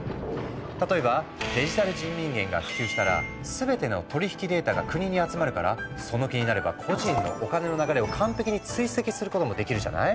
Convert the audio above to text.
例えばデジタル人民元が普及したら全ての取り引きデータが国に集まるからその気になれば個人のお金の流れを完璧に追跡することもできるじゃない？